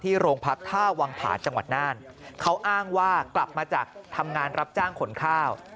โรงพักท่าวังผาจังหวัดน่านเขาอ้างว่ากลับมาจากทำงานรับจ้างขนข้าว